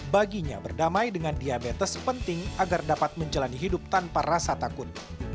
baginya berdamai dengan diabetes penting agar dapat menjalani hidup tanpa rasa takut